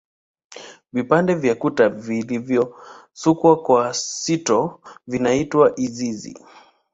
Vipande vya kuta vilivyosukwa kwa sito vinaitwa izizi